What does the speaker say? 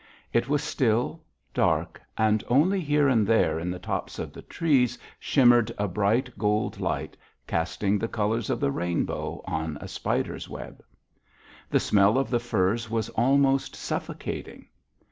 It was still, dark, and only here and there in the tops of the trees shimmered a bright gold light casting the colours of the rainbow on a spider's web. The smell of the firs was almost suffocating.